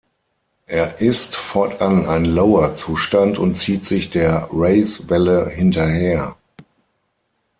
Er ist fortan ein Lower-Zustand und zieht sich der Raise-Welle hinterher.